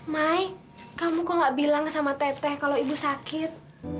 mai kamu kok gak bilang sama teteh kalau ibu sakit